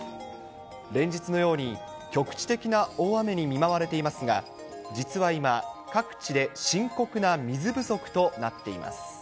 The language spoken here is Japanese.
連日のように局地的な大雨に見舞われていますが、実は今、各地で深刻な水不足となっています。